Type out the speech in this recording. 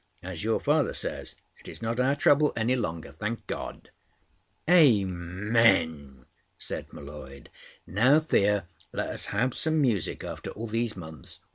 As your father says, it is not our trouble any longer—thank God!" "Amen!" said M'Leod. "Now, Thea, let us have some music after all these months.